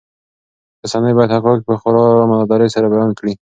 رسنۍ باید حقایق په خورا امانتدارۍ سره بیان کړي.